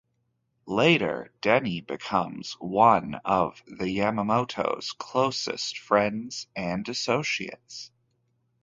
Later, Denny becomes one of the Yamamoto's closest friends and associates.